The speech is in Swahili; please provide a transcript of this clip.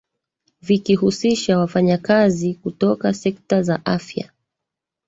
vikihusisha wafanyakazi kutoka sekta za afya